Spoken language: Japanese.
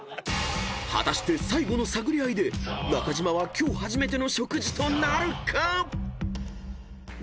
［果たして最後の探り合いで中島は今日初めての食事となるか⁉］